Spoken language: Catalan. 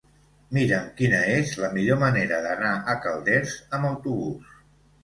Mira'm quina és la millor manera d'anar a Calders amb autobús.